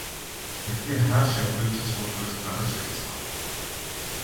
Тэдний хааш явахыг ч асуулгүй гаргаж хаяцгаав.